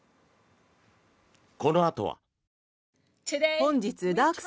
このあとは。